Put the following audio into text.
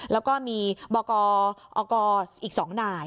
แล้วก็มีบอกออกออีกสองนาย